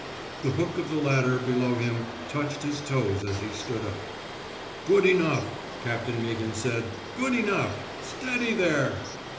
The hook of the lad der below him touched his toes as he stood up. Good enough, '* Captain Meaghan said. Good enough. ... Steady there!